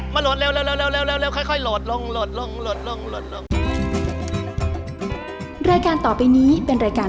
โหลดเร็วค่อยโหลดลงโหลดลงโหลดลง